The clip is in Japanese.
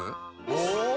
お！